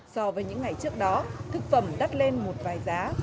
so với những ngày trước đó thực phẩm đắt lên một vài giá